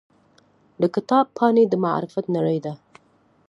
د کتاب پاڼې د معرفت نړۍ ده.